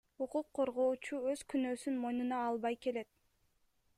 Укук коргоочу өз күнөөсүн мойнуна албай келет.